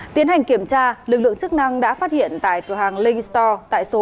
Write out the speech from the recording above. tiến hành kiểm tra lực lượng chức năng đã phát hiện tại cửa hàng link store